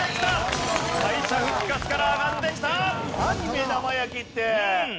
目玉焼きって。